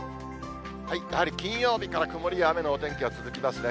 やはり金曜日から曇りや雨のお天気が続きますね。